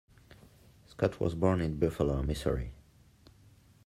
Scott was born in Buffalo, Missouri.